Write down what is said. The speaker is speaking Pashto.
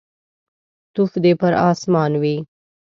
توف دي پر اسمان وي.